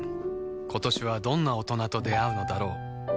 今年はどんな大人と出会うのだろう